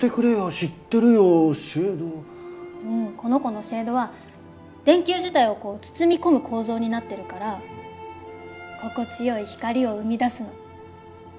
この子のシェードは電球自体を包み込む構造になってるから心地よい光を生み出すの。